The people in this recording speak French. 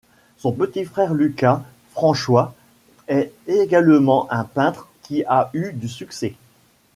Son petit frère Lucas Franchoys est également un peintre qui a eu du succès.